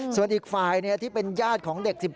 ส่วนอีกฝ่ายที่เป็นญาติของเด็ก๑๔